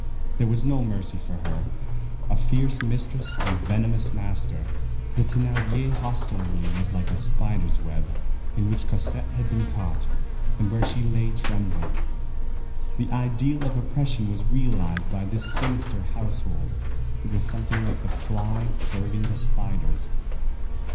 There was no mercy for her; a fierce mistress and venomous master. The Thénardier hostelry was like a spider's web, in which Cosette had been caught, and where she lay trembling. The ideal of oppression was realized by this sinister household. It was something like the fly serving the spiders.